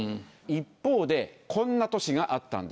一方でこんな都市があったんです。